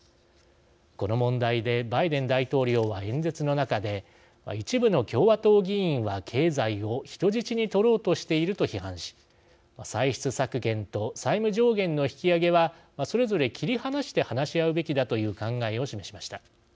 この問題でバイデン大統領は演説の中で「一部の共和党議員は経済を人質に取ろうとしている」と批判し歳出削減と債務上限の引き上げはそれぞれ切り離して話しあうべきだという考えを示しました。